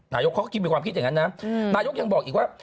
นายกเขาก็คิดมีความคิดอย่างนั้นนะนายกยังบอกอีกว่า